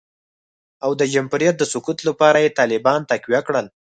او د جمهوریت د سقوط لپاره یې طالبان تقویه کړل